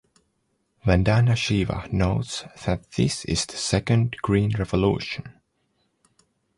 Vandana Shiva notes that this is the "second Green Revolution".